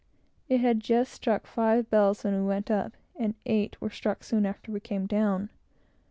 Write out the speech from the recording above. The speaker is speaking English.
It just struck five bells when we went up, and eight were struck soon after we came down.